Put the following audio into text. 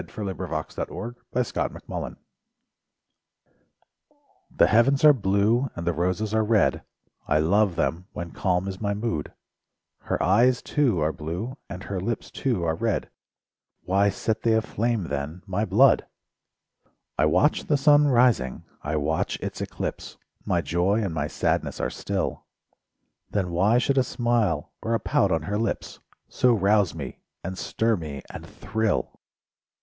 SONGS AND DREAMS Nature and Woman The heavens are blue and the roses are red, I love them when calm is my mood; Her eyes, too, are blue, and her lips, too, are red— Why set they aflame then my blood ? I watch the sun rising, I watch its eclipse— My joy and my sadness are still; Then why should a smile or a pout on her lips So rouse me, and stir me, and thrill?